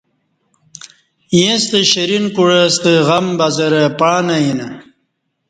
ییݩستہ شرین کوعہ ستہ غم بزرہ پݩع نہ یینہ